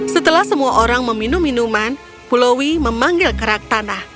setelah semua orang meminum minuman pulaui memanggil keraktanah